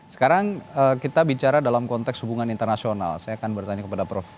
sekarang kita bicara dalam konteks hubungan internasional saya akan bertanya kepada prof